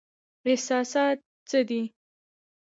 احساسات څه دي؟